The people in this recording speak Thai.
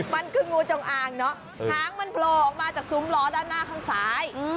มันคืองูจงอางเนอะหางมันโผล่ออกมาจากซุ้มล้อด้านหน้าข้างซ้าย